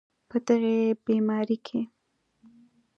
په دغې بیمارۍ کې